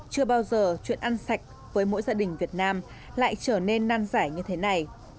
chưa bao giờ chuyện ăn sạch với mỗi gia đình việt nam lại trở nên nan giải như thế này